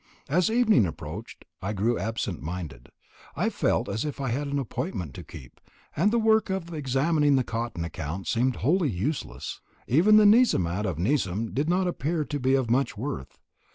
As evening approached I grew absent minded; I felt as if I had an appointment to keep; and the work of examining the cotton accounts seemed wholly useless; even the Nizamat of the Nizam did not appear to be of much worth.